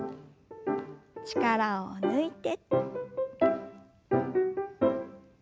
力を抜いて。